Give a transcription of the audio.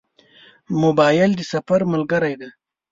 موبایل د سفر ملګری دی.